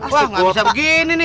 wah nggak bisa begini nih